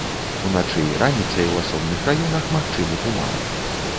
Уначы і раніцай у асобных раёнах магчымы туман.